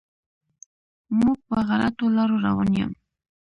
موږ په غلطو لارو روان یم.